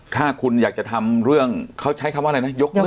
ถ้าคุณอยากจะทำเรื่องเขาใช้คำว่าอะไรนะ